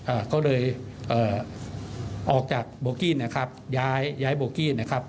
อ่าก็เลยเอ่อออกจากโบกี้นะครับย้ายย้ายโบกี้นะครับ